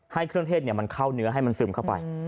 ให้เครื่องเทศมันเข้าเนื้อให้มันซึมเข้าไป